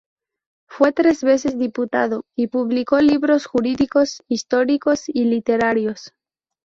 Fue tres veces diputado y publicó libros jurídicos, históricos y literarios.